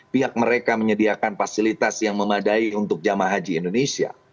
pihak mereka menyediakan fasilitas yang memadai untuk jamaah haji indonesia